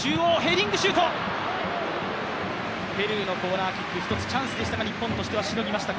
ペルーのコーナーキック一つチャンスでしたが、日本としてはしのぎました。